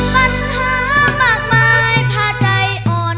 ปัญหามากมายผ่าใจอ่อน